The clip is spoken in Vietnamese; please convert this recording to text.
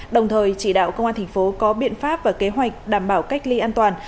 đồng thời chỉ đạo công an thành phố có biện pháp và kế hoạch đảm bảo cách ly an toàn